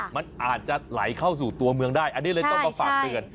มันอาจจะไหลเข้าสู่ตัวเมืองได้อันนี้เลยต้องมาฝากเตือน